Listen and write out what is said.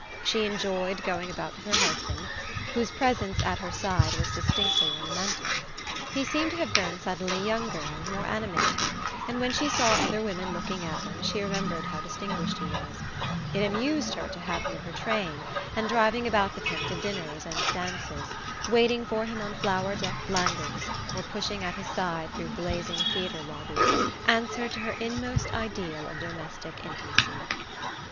She enjoyed going about with her husband, whose presence at her side was distinctly ornamental. He seemed to have grown suddenly younger and more animated, and when she saw other women looking at him she remembered how distinguished he was. It amused her to have him in her train, and driving about with him to dinners and dances, waiting for him on flower decked landings, or pushing at his side through blazing theatre lobbies, answered to her inmost ideal of domestic intimacy.